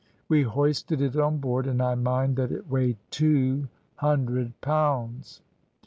We hoisted it on board, and I mind that it weighed two hundred pounds.